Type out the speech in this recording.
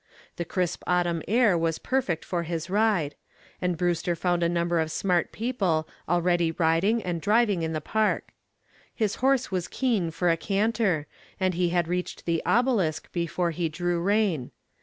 The crisp autumn air was perfect for his ride, and Brewster found a number of smart people already riding and driving in the park. His horse was keen for a canter and he had reached the obelisk before he drew rein.